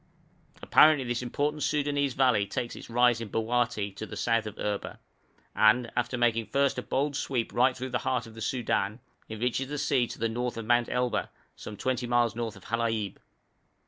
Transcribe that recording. Apparently this important Soudanese valley takes its rise in Bawati, to the south of Erba, and, after making first a bold sweep right through the heart of the Soudan, it reaches the sea to the north of Mount Elba, some twenty miles north of Halaib.